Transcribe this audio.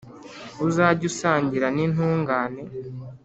Uzajye usangira n’intungane,